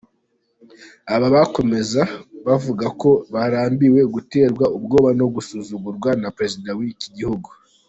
Aba bakomeza bavuga ko barambiwe guterwa ubwoba no gusuzugurwa na perezida w’iki gihugu.